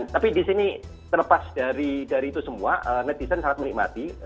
tapi di sini terlepas dari itu semua netizen sangat menikmati